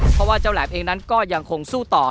เพราะว่าเจ้าแหลมเองนั้นก็ยังคงสู้ต่อ